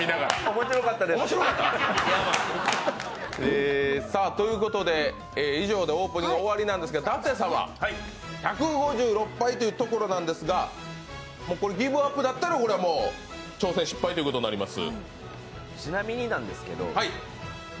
面白かったです。ということで異常でオープニングは終わりなんですけど、舘様、１５６杯というところなんですが、ギブアップだったらこれはもう挑戦失敗ということになります。